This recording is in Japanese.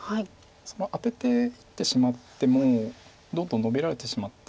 アテていってしまってもどんどんノビられてしまって。